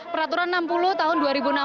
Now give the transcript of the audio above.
peraturan enam puluh tahun dua ribu enam belas